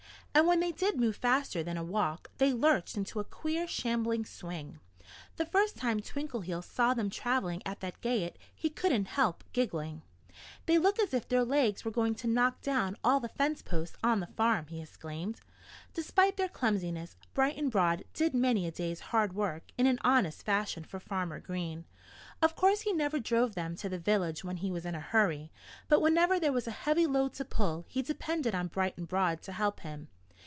And when they did move faster than a walk they lurched into a queer, shambling swing. The first time Twinkleheels saw them travelling at that gait he couldn't help giggling. "They look as if their legs were going to knock down all the fence posts on the farm," he exclaimed. Despite their clumsiness, Bright and Broad did many a day's hard work in an honest fashion for Farmer Green. Of course he never drove them to the village when he was in a hurry. But whenever there was a heavy load to pull he depended on Bright and Broad to help him.